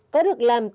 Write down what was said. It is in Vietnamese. có được làm từ nhà